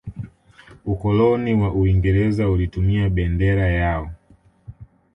ukoloni wa uingereza ulitumia bendera yao